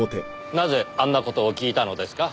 なぜあんな事を聞いたのですか？